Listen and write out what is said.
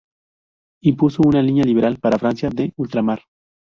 Impuso una línea liberal para la Francia de ultramar.